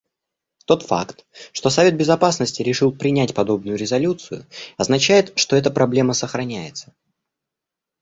Тот факт, что Совет Безопасности решил принять подобную резолюцию, означает, что эта проблема сохраняется.